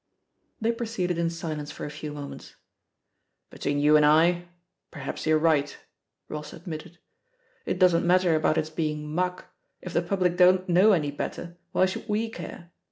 They proceeded in silence for a few moments* "Between you and I, perhaps you're right," Hoss admitted. "It doesn't matter about it's be ing *muck' — ^if the public don't know any better, why should we care?